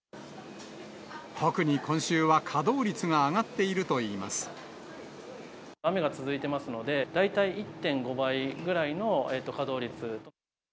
特に今週は稼働率が上がって雨が続いていますので、大体１．５倍ぐらいの稼働率。